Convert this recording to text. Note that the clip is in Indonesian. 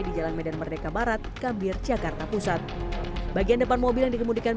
di jalan medan merdeka barat kambir jakarta pusat bagian depan mobil yang dikemudikan